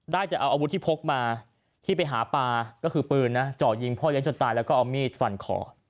ได้แต่เอาอาวุธที่พกมาที่ไปหาปลาก็คือปืนนะเจาะยิงพ่อเลี้ยจนตายแล้วก็เอามีดฟันคอ